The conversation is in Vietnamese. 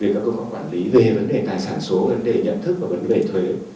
các cơ quan quản lý về vấn đề tài sản số vấn đề nhận thức và vấn đề thuế